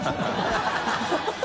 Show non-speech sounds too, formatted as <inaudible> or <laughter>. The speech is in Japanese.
ハハハ <laughs>